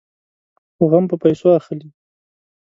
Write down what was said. خو غم په پيسو اخلي.